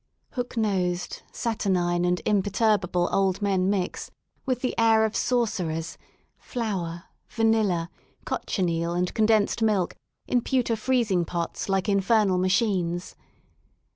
H ook n osed, satu r n i ne and i mperturbable old men mix, with the air of sorcerers, flour, vanilla, cochineal, and condensed milk in pewter freezing pots like infernal machines.